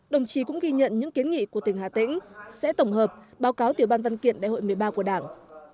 đồng chí cũng ghi nhận những kiến nghị của tỉnh hà tĩnh sẽ tổng hợp báo cáo tiểu ban văn kiện đại hội một mươi ba của đảng